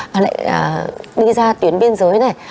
và lại đi ra tuyến biên giới này